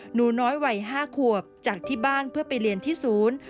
หนูน้อยวัย๕ขวบจากที่บ้านเพื่อไปเรียนที่ศูนย์